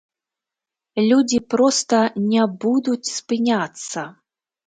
Людзі проста не будуць спыняцца!